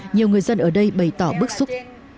nhiều người dân ở đây bày tỏ bức xúc